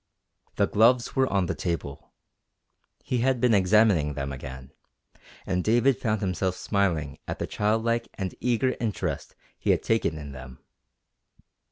The gloves were on the table. He had been examining them again, and David found himself smiling at the childlike and eager interest he had taken in them.